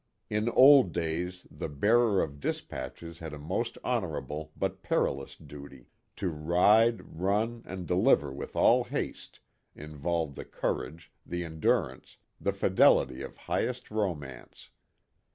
In old days the bearer of dis patches had a most honorable but perilous duty to "ride, run and deliver with all haste" involved the courage, the endurance, the fidelity of highest romance.